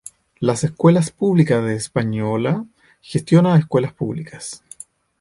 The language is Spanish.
Las Escuelas Públicas de Española gestiona escuelas públicas.